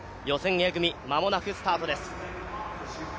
予選Ａ組、間もなくスタートです。